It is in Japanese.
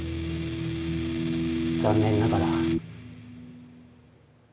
残念ながら。